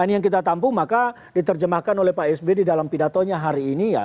yang kita tampu maka diterjemahkan oleh pak sb di dalam pidatonya hari ini ya